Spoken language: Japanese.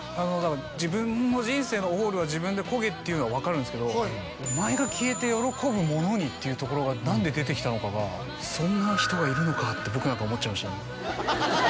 自分の人生のオールは自分で漕げっていうのは分かるんですけど「おまえが消えて喜ぶ者に」っていうところが何で出てきたのかがって僕なんか思っちゃいました